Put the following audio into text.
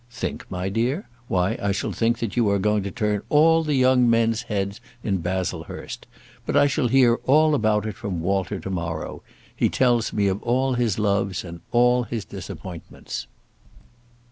"Think, my dear? why, I shall think that you are going to turn all the young men's heads in Baslehurst. But I shall hear all about it from Walter to morrow. He tells me of all his loves and all his disappointments."